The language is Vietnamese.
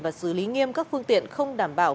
và xử lý nghiêm các phương tiện không đảm bảo